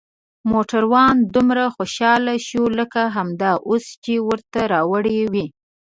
موټروان دومره خوشحاله شو لکه همدا اوس چې ورته راوړي وي.